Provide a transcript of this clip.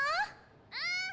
うん！